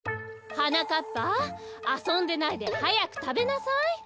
はなかっぱあそんでないではやくたべなさい。